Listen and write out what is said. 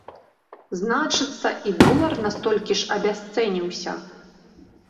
Значыцца, і долар на столькі ж абясцэніўся.